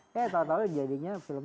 kayak tau tau jadinya film